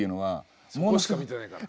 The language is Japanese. そこしか見てないから。